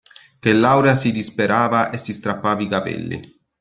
Che Laura si disperava e si strappava i capelli.